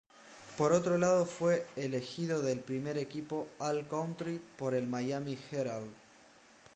Por otro lado fue elegido del primer equipo all-country por el Miami Herald.